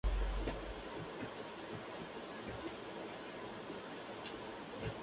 En ella representa personajes populares o humildes tratados con una gran dignidad.